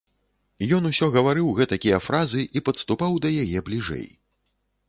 Ён усё гаварыў гэтакія фразы і падступаў да яе бліжэй.